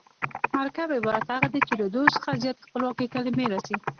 مرکب عبارت هغه دﺉ، چي له دوو څخه زیاتي خپلواکي کلیمې راسي.